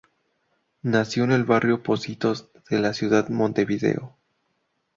Nació en el barrio Pocitos de la ciudad de Montevideo.